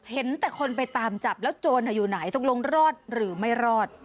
เห็นแต่คนไปตามจับแล้วโจรทุกงลงรอดหรือไม่รอด